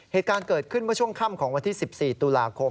เหตุการณ์เกิดขึ้นเมื่อช่วงค่ำของวันที่๑๔ตุลาคม